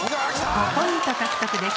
３ポイント獲得です。